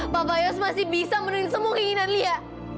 papa yos masih bisa menurunkan semua keinginan lia